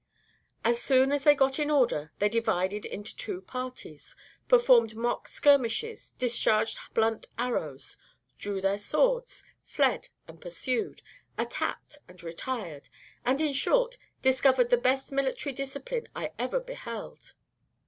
As soon as they got in order, they divided into two parties, performed mock skirmishes, discharged blunt arrows, drew their swords, fled and pursued, attacked and retired, and in short discovered the best military discipline I ever beheld.